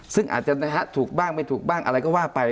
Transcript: ซึ่งอาจจะถูกบ้างไม่ถูกบ้างอะไรก็ว่าไป